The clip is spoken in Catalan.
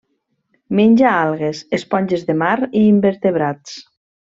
Menja algues, esponges de mar i invertebrats.